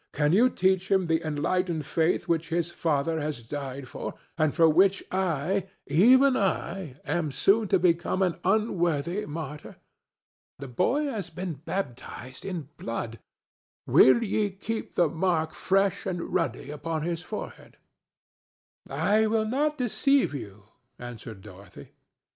"Can ye teach him the enlightened faith which his father has died for, and for which I—even I—am soon to become an unworthy martyr? The boy has been baptized in blood; will ye keep the mark fresh and ruddy upon his forehead?" "I will not deceive you," answered Dorothy.